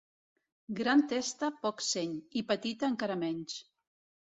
Gran testa, poc seny; i petita, encara menys.